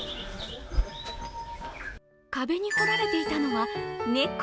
壁に彫られていたのは猫。